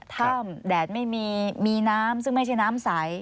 ถ้ำแดดไม่มีมีน้ำซึ่งไม่ใช่น้ำใส